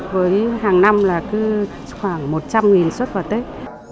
với hàng năm là cứ khoảng một trăm linh xuất vào tết